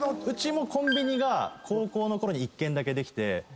うちもコンビニが高校のころに１軒だけできて。